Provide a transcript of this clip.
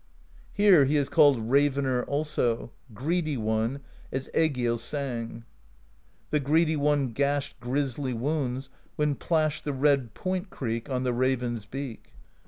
Here he is called Ravener also. Greedy One, as Egill sang: The Greedy One gashed Grisly wounds, when plashed The red Point Creek On the raven's beak.